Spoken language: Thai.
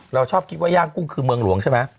เราชอบคิดว่าย่างกุ้งคือเมืองหลวงใช่ไหม